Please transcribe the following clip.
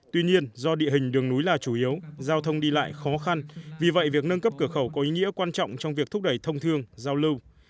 tuy nhiên do địa hình đường núi là chủ yếu giao thông đi lại khó khăn vì vậy việc nâng cấp cửa khẩu có ý nghĩa quan trọng trong việc thúc đẩy thông thương giao lưu